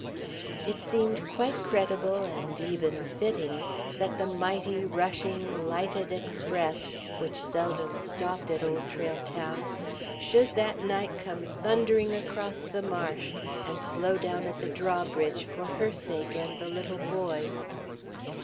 ... It seemed quite credible and even fitting that the mighty, rushing, lighted Express, which seldom stopped at Old Trail Town, should that night come thundering across the marsh, and slow down at the drawbridge for her sake and the little boy's.